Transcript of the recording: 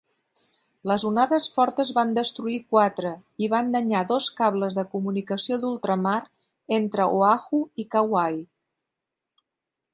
Les onades fortes van destruir quatre i van danyar dos cables de comunicació d"ultramar entre Oahu i Kauai.